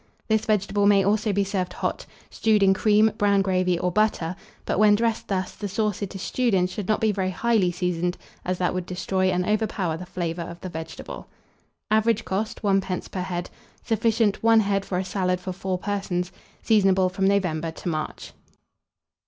This vegetable may also be served hot, stewed in cream, brown gravy, or butter; but when dressed thus, the sauce it is stewed in should not be very highly seasoned, as that would destroy and overpower the flavour of the vegetable. Average cost, 1d. per head. Sufficient, 1 head for a salad for 4 persons. Seasonable from November to March.